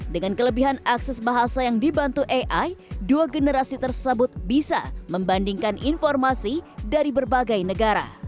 dengan kelebihan akses bahasa yang dibantu ai dua generasi tersebut bisa membandingkan informasi dari berbagai negara